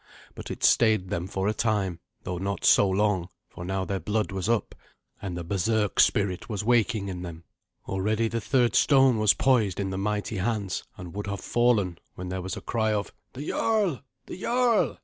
But it stayed them for a time, though not so long, for now their blood was up, and the berserk spirit was waking in them. Already the third stone was poised in the mighty hands, and would have fallen, when there was a cry of, "The jarl! the jarl!"